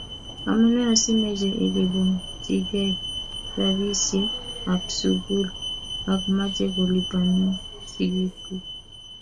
Amune asiimache iliponchikey rapisyek ap sugul ako mache kolipanun sigikuk.